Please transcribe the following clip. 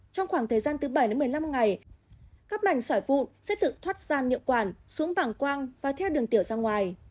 trong khoảng thời gian từ bảy đến một mươi năm ngày các mảnh sỏi vụn sẽ tự thoát ra nhượng quản xuống bảng quang và theo đường tiểu ra ngoài